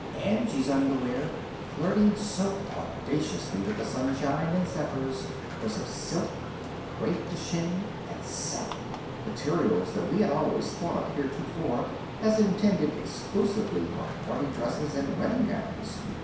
Angie's underwear, flirting so audaciously with the sunshine and zephyrs, was of silk and crepe de Chine and satin materials that we had always thought of heretofore as intended exclusively for party dresses and wedding gowns.